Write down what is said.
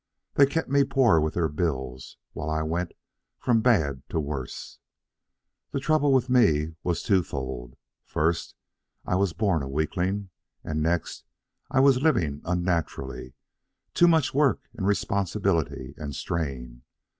They kept me poor with their bills while I went from bad to worse. The trouble with me was two fold: first, I was a born weakling; and next, I was living unnaturally too much work, and responsibility, and strain.